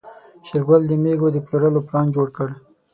شېرګل د مېږو د پلورلو پلان جوړ کړ.